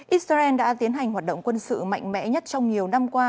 israel đã tiến hành hoạt động quân sự mạnh mẽ nhất trong nhiều năm qua